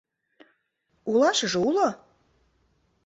— Улашыже уло.